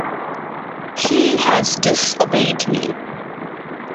He has disobeyed me.